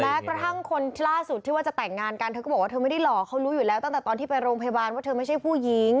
แม้กระทั่งคนล่าสุดที่ว่าจะแต่งงานกันเธอก็บอกว่าเธอไม่ได้หล่อเขารู้อยู่แล้วตั้งแต่ตอนที่ไปโรงพยาบาลว่าเธอไม่ใช่ผู้หญิง